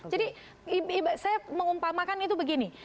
jadi saya mengumpamakan itu begini